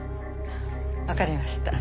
わかりました。